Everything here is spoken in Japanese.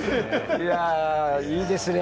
いやあ、いいですね。